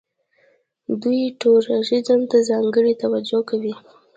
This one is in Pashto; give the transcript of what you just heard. دوی ټوریزم ته ځانګړې توجه کوي.